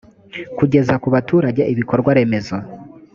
kugeza ku baturage ibikorwa remezo